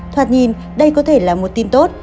thoạt nhìn đây có thể là một tin tốt